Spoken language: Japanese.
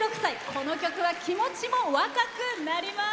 この曲は気持ちも若くなります。